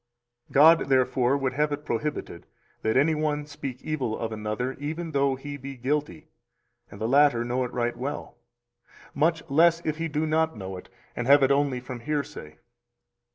269 God therefore would have it prohibited, that any one speak evil of another even though he be guilty, and the latter know it right well; much less if he do not know it, and have it only from hearsay.